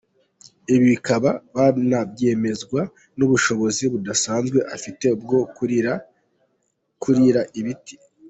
Ibi bakaba banabyemezwa n’ubushobozi budasanzwe afite bwo kurira ibiti.